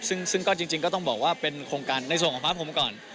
ซึ่งก็จริงก็ต้องบอกว่าเป็นโครงการในส่วนของพระพรมก่อน